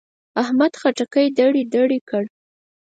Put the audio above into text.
احمد خټکی دړې دړې کړ.